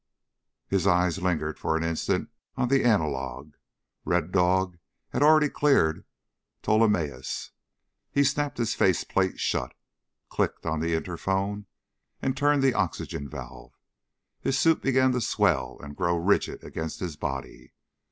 His eyes lingered for an instant on the analog. Red Dog had already cleared Ptolemaeus. He snapped his face plate shut, clicked on the interphone and turned the oxygen valve. His suit began to swell and grow rigid against his body.